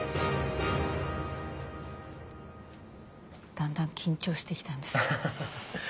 だんだん緊張してきた。